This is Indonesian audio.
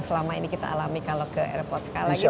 selama ini kita alami kalau ke airport sekali lagi